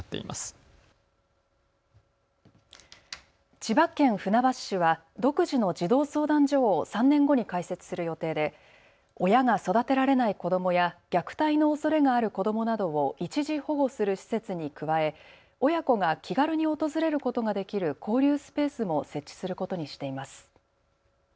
千葉県船橋市は独自の児童相談所を３年後に開設する予定で親が育てられない子どもや虐待のおそれがある子どもなどを一時保護する施設に加え親子が気軽に訪れることができる交流スペースも設置することにしています。